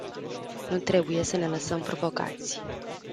Nu trebuie să ne lăsăm provocați.